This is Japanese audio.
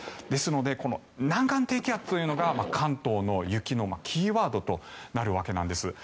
ですので、南岸低気圧というのが関東の雪のキーワードとなるわけです。